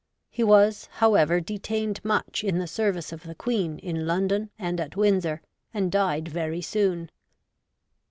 He was, however, detained much in the service of the Oueen, in London and at Windsor,, and died very soon.